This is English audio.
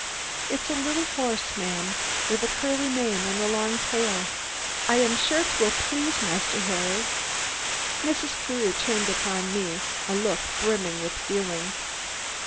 It's a little horse, ma'am, with curly mane and a long tail. I am sure 'twill just please Master Harry." Mrs. Carew turned upon me a look brimming with feeling.